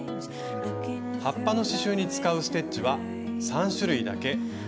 葉っぱの刺しゅうに使うステッチは３種類だけ。